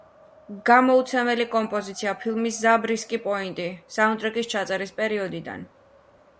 გამოუცემელი კომპოზიცია ფილმის „ზაბრისკი პოინტი“ საუნდტრეკის ჩაწერის პერიოდიდან.